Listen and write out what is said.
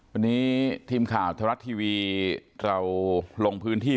ก็ด้วยจิ๊มข่าวทฤษฐรัฐทีวีเราลงพื้นที่